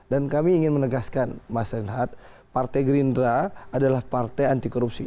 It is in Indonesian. dan kami ingin menegaskan mas renhad partai gerindra adalah partai anti korupsi